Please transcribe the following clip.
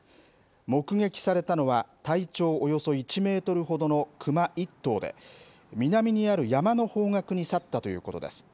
目撃されたのは体長およそ１メートルほどの熊１頭で南にある山の方角に去ったということです。